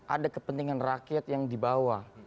ada kepentingan rakyat yang dibawa